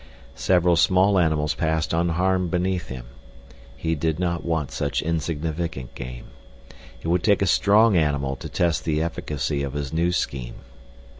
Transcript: Several small animals passed unharmed beneath him. He did not want such insignificant game. It would take a strong animal to test the efficacy of his new scheme.